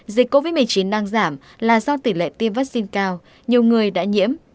dịch covid một mươi chín đang giảm là do tỷ lệ tiêm vaccine cao nhiều người đã nhiễm